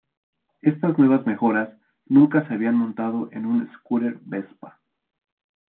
Estas nuevas mejoras nunca se habían montado en una scooter Vespa.